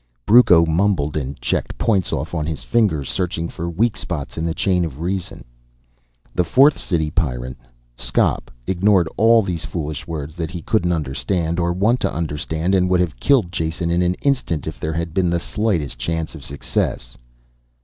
Brucco mumbled and checked points off on his fingers, searching for weak spots in the chain of reason. The fourth city Pyrran, Skop, ignored all these foolish words that he couldn't understand or want to understand and would have killed Jason in an instant if there had been the slightest chance of success.